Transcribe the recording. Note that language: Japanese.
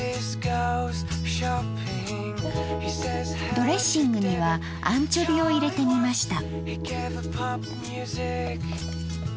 ドレッシングにはアンチョビを入れてみました。